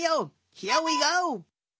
ヒアウィーゴー。